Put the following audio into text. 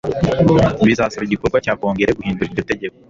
Bizasaba igikorwa cya Kongere guhindura iryo tegeko.